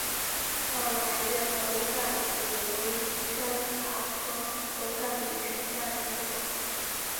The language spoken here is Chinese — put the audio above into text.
倒卵叶红淡比为山茶科红淡比属下的一个种。